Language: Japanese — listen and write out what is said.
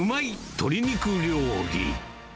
鶏肉料理。